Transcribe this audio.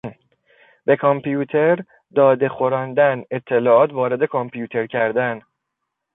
به کامپیوتر داده خوراندن، اطلاعات وارد کامپیوتر کردن